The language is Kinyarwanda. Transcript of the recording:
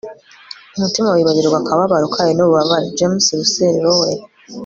umutima wibagirwa akababaro kayo n'ububabare - james russell lowell